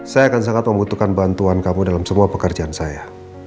saya akan sangat membutuhkan bantuan kamu dalam semua pekerjaan saya